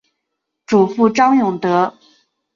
祖父张永德。